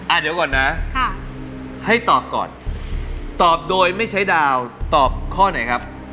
เดี๋ยวก่อนนะค่ะให้ตอบก่อนตอบโดยไม่ใช้ดาวตอบข้อไหนครับ